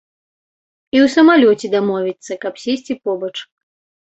І ў самалёце дамовіцца, каб сесці побач.